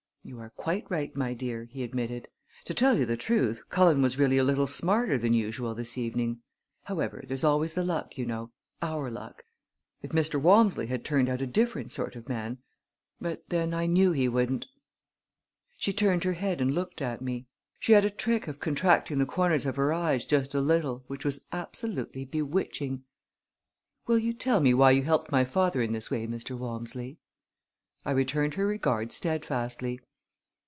"You are quite right, my dear," he admitted. "To tell you the truth, Cullen was really a little smarter than usual this evening. However, there's always the luck, you know our luck! If Mr. Walmsley had turned out a different sort of man but, then, I knew he wouldn't." She turned her head and looked at me. She had a trick of contracting the corners of her eyes just a little, which was absolutely bewitching. "Will you tell me why you helped my father in this way, Mr. Walmsley?" I returned her regard steadfastly.